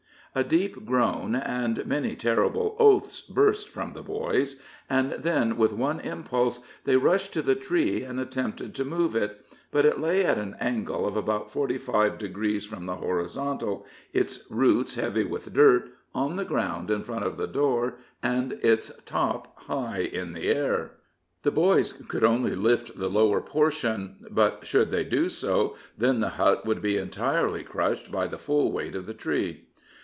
A deep groan and many terrible oaths burst from the boys, and then, with one impulse, they rushed to the tree and attempted to move it; but it lay at an angle of about forty five degrees from the horizontal, its roots heavy with dirt, on the ground in front of the door, and its top high in the air. The boys could only lift the lower portion; but should they do so, then the hut would be entirely crushed by the full weight of the tree.